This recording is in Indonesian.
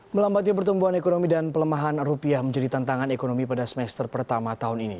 melambatnya pertumbuhan ekonomi dan pelemahan rupiah menjadi tantangan ekonomi pada semester pertama tahun ini